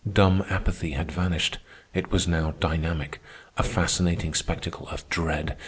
Dumb apathy had vanished. It was now dynamic—a fascinating spectacle of dread.